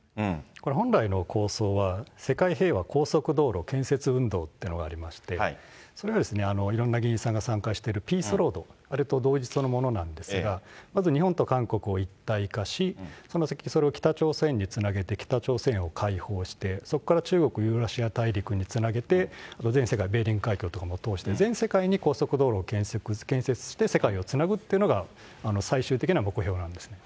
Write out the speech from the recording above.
これ、本来の構想は、世界平和高速道路建設運動というのがありまして、それはいろんな議員さんが参加しているピースロード、あれと同日のものなんですが、まず日本と韓国を一体化し、それを北朝鮮につなげて、北朝鮮をかいほうして、そこから中国、ユーラシア大陸につなげて、全世界、ベーリング海峡とかも通して、全世界に高速道路を建設して、世界をつなぐっていうのが、最終的な目標なんですね。